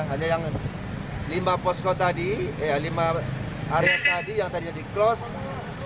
hanya yang lima pos kota tadi lima area tadi yang tadi di close